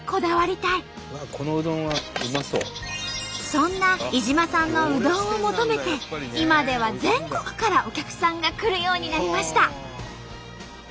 そんな井島さんのうどんを求めて今では全国からお客さんが来るようになりました。